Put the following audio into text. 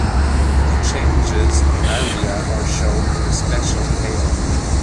The changes in area are shown in a special table.